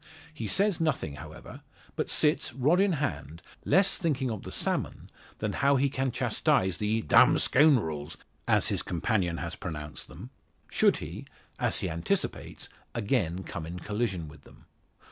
He says nothing, however, but sits rod in hand, less thinking of the salmon than how he can chastise the "damned scoun'rels," as his companion has pronounced them, should he, as he anticipates, again come in collision with them.